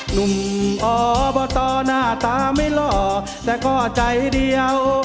หนุ่มอบตหน้าตาไม่หล่อแต่ก็ใจเดียว